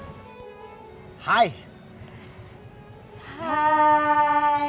tidak apa apa bang